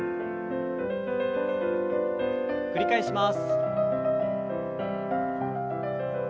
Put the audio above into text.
繰り返します。